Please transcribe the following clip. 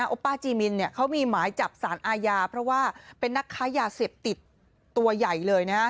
โอป้าจีมินเขามีหมายจับสารอาญาเพราะว่าเป็นนักค้ายาเสพติดตัวใหญ่เลยนะฮะ